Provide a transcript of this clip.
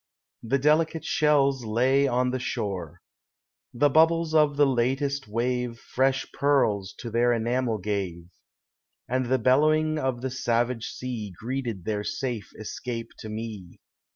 The delicate shells lay on the shore; The bubbles of the latest wave Fresh pearls to their enamel gave; And the bellowing of the savage sea Greeted their safe escape to me.